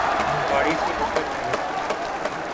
ہم گاڑی سے اتر رہ تھے